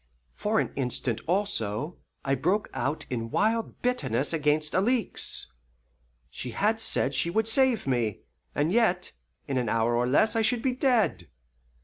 For an instant, also, I broke out in wild bitterness against Alixe. She had said she would save me, and yet in an hour or less I should be dead.